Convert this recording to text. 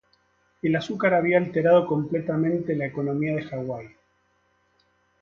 El azúcar había alterado completamente la economía de Hawái.